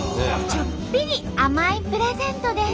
ちょっぴり甘いプレゼントです。